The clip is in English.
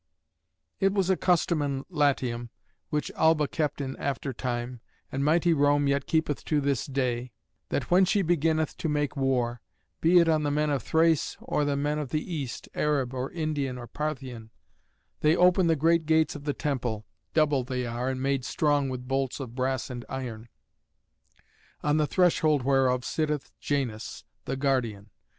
It was a custom in Latium, which Alba kept in after time, and mighty Rome yet keepeth to this day, that when she beginneth to make war, be it on the men of Thrace or the men of the East, Arab, or Indian, or Parthian, they open the great gates of the temple (double they are, and made strong with bolts of brass and iron), on the threshold whereof sitteth Janus, the guardian.